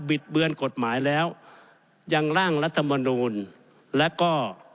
ิดเบือนกฎหมายแล้วยังร่างรัฐมนูลแล้วก็